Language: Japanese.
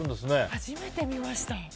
初めて見ました。